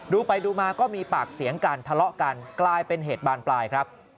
ดูไปดูมาก็มีปากเสียงกันทะเลาะกันกลายเป็นเหตุบานปลายครับ